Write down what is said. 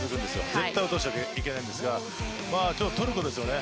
絶対落としてはいけないんですが今日はトルコですよね。